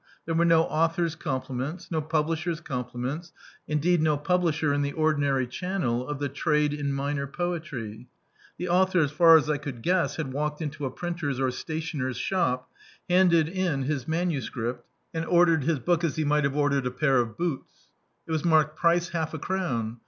There were no author's compliments, no publisher's compliments, indeed no publisher in the ordinary channel of the trade in minor poetry. The author, as far as I could guess, had walked into a printer's or stationer's shop; handed in his Do.icdt, Google Preface manuscript; and ordered bis book as he mig^t have ordered a pair of boots. It was marked "price half a crown."